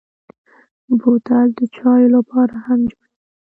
بوتل د چايو لپاره هم جوړېږي.